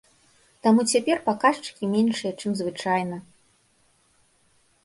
Таму цяпер паказчыкі меншыя, чым звычайна.